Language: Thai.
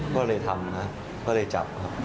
ก็เลยทำครับก็เลยจับครับ